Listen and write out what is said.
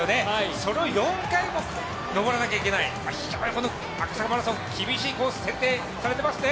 それを４回も上らなきゃいけない、非常に「赤坂ミニマラソン」厳しいコースに設定されてますね。